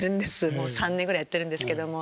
もう３年ぐらいやってるんですけども。